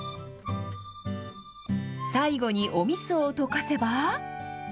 最後におみそを溶かせば。